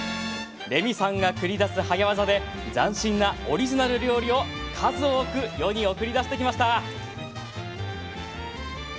レミさんが繰り出す早わざで斬新なオリジナル料理を数多く、世に送り出してきました。